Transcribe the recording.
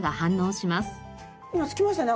今つきましたね。